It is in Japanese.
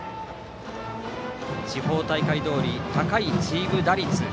地方大会どおり高いチーム打率。